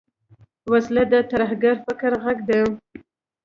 وسله د ترهګر فکر غږ ده